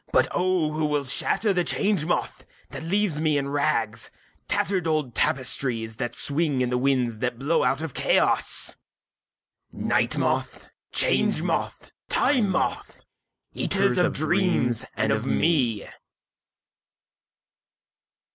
(But O who will shatter the Change Moth that leaves me in rags—tattered old tapestries that swing in the winds that blow out of Chaos!)Night Moth, Change Moth, Time Moth, eaters of dreams and of me!